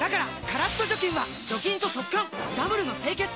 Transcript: カラッと除菌は除菌と速乾ダブルの清潔！